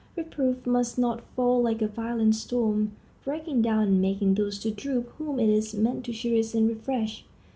Reproof must not fall like a violent storm, breaking down and making those to droop whom it is meant to cherish and refresh.